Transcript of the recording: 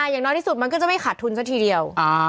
อย่างน้อยที่สุดมันก็จะไม่ขาดทุนซะทีเดียว